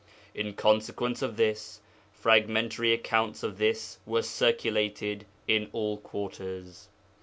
In consequence of this, fragmentary accounts of this were circulated in all quarters.